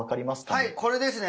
はいこれですね！